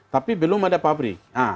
tapi belum ada pabrik